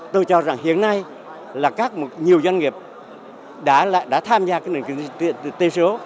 tôi cho rằng hiện nay là nhiều doanh nghiệp đã tham gia nền kinh tế số